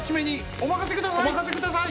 おまかせください！